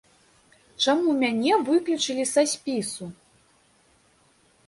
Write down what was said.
Чаму мяне выключылі са спісу?